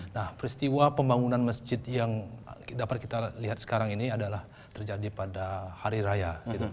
nah peristiwa pembangunan masjid yang dapat kita lihat sekarang ini adalah terjadi pada hari raya